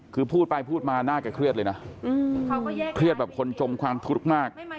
คือพูดไปพูดมาน่าจะเครียดเลยนะเครียดแบบคนจมความทุกข์มาก